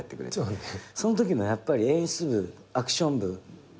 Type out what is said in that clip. そのときのやっぱり演出部アクション部美術